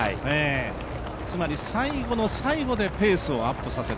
つまり最後の最後でペースをアップさせる。